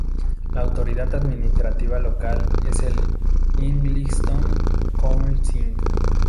La autoridad administrativa local es el Islington Council.